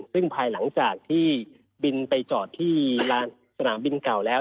ซึ่งภายหลังจากที่บินไปจอดที่ลานสนามบินเก่าแล้ว